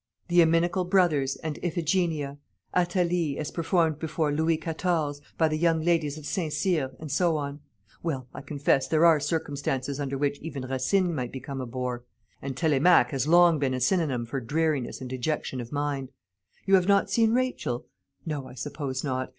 "The Inimical Brothers, and Iphigenia; Athalie, as performed before Louis Quatorze, by the young ladies of St. Cyr, and so on. Well, I confess there are circumstances under which even Racine might become a bore; and Télémaque has long been a synonym for dreariness and dejection of mind. You have not seen Rachel? No, I suppose not.